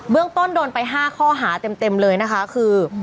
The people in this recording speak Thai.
เรื่องต้นโดนไป๕ข้อหาเต็มเลยนะคะคือ